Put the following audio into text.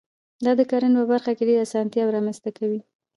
دا د کرنې په برخه کې ډېرې اسانتیاوي رامنځته کوي.